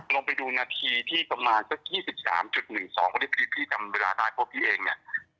ลองไปดูนาทีที่ประมาณสัก๒๓๑๒พี่จำเวลาตายพวกพี่เองเนี่ย